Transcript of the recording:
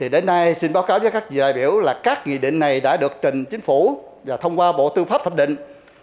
đến nay xin báo cáo với các đại biểu là các nghị định này đã được trình chính phủ và thông qua bộ tư pháp thẩm định